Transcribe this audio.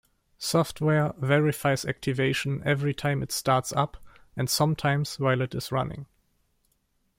Software verifies activation every time it starts up, and sometimes while it is running.